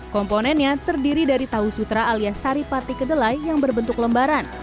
komponennya terdiri dari tauw sutra alias sari pati kedelai yang berbentuk lembaran